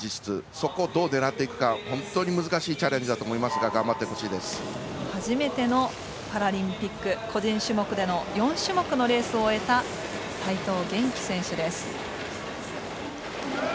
そこをどう狙っていくか本当に難しいチャレンジだと思いますが初めてのパラリンピック個人種目での４種目のレースを終えた齋藤元希選手です。